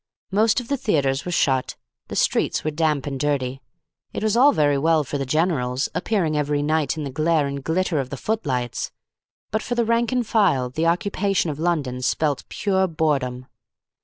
Most of the theatres were shut. The streets were damp and dirty. It was all very well for the generals, appearing every night in the glare and glitter of the footlights; but for the rank and file the occupation of London spelt pure boredom.